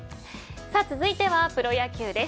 続いてはプロ野球です。